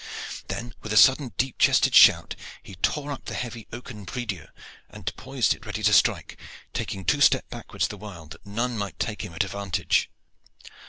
Then, with a sudden deep chested shout, he tore up the heavy oaken prie dieu and poised it to strike, taking two steps backward the while, that none might take him at a vantage.